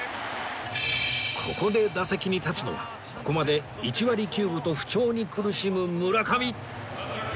ここで打席に立つのはここまで１割９分と不調に苦しむ村上！